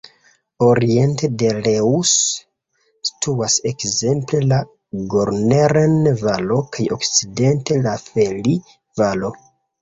Oriente de Reuss situas ekzemple la "Gorneren-Valo" kaj okcidente la "Felli-Valo".